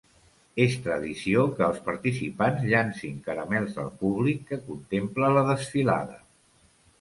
És tradició que els participants llancin caramels al públic que contempla la desfilada.